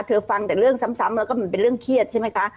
ฟังแต่เรื่องซ้ำแล้วก็มันเป็นเรื่องเครียดใช่ไหมคะ